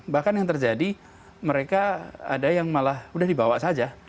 bahkan yang terjadi mereka ada yang malah udah dibawa saja